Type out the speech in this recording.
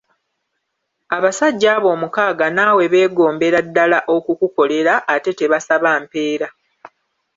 Abasajja abo omukaaga naawe beegombera ddala okukukolera, ate tebasaba mpeera.